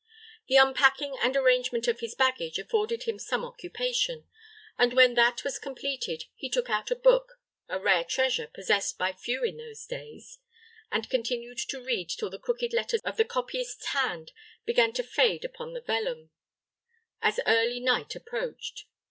The unpacking and arrangement of his baggage afforded him some occupation, and when that was completed, he took out a book a rare treasure, possessed by few in those days and continued to read till the crooked letters of the copyist's hand began to fade upon the vellum, as early night approached.